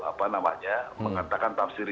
apa namanya mengatakan tafsirnya